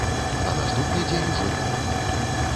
На наступны дзень ужо не.